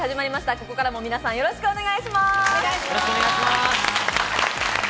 ここからも皆さん、よろしくお願いします。